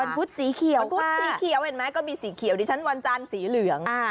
พุธสีเขียวพุธสีเขียวเห็นไหมก็มีสีเขียวดิฉันวันจันทร์สีเหลือง